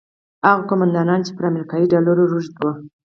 هغه قوماندانان چې پر امریکایي ډالرو روږدي وو.